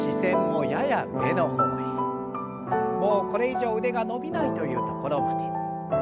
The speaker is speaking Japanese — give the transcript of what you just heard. もうこれ以上腕が伸びないというところまで。